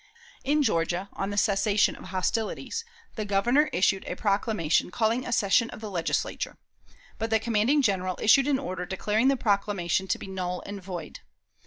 In Georgia, on the cessation of hostilities, the Governor issued a proclamation calling a session of the Legislature. But the commanding General issued an order declaring the proclamation to be null and void.